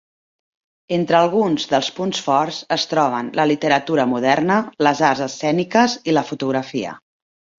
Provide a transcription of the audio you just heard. Entre alguns dels punts forts es troben la literatura moderna, les arts escèniques i la fotografia.